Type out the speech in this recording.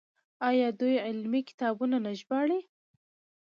آیا دوی علمي کتابونه نه ژباړي؟